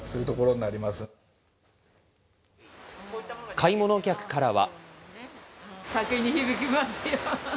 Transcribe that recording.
買い物客からは。